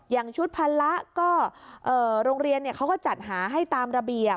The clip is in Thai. อย่างชุดพันละก็โรงเรียนเขาก็จัดหาให้ตามระเบียบ